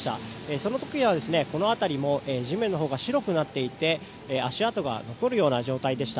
その時にはこの辺りも地面が白くなっていて足跡が残るような状態でした。